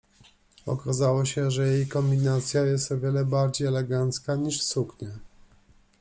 Okazało się, że jej kombinacja jest o wiele bardziej elegancka niż suknia.